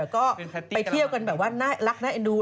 ก็ไปเที่ยวกันแบบว่าน่ารักน่าเอ็นดู